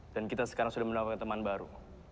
dan kita sekarang sudah mendapatkan teman baru